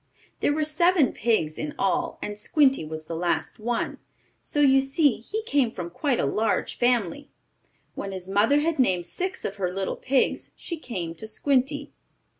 There were seven pigs in all, and Squinty was the last one, so you see he came from quite a large family. When his mother had named six of her little pigs she came to Squinty.